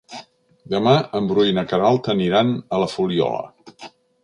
Demà en Bru i na Queralt aniran a la Fuliola.